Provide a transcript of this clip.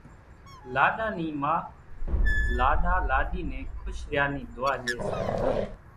لاڏا نِي ما لاڏا لاڏِي نين خوش ريا نِي دعا ڄي سي